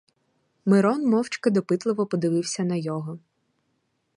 Мирон мовчки, допитливо подивився на його.